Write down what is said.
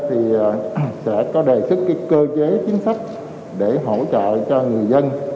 thì sẽ có đề xuất cái cơ chế chính sách để hỗ trợ cho người dân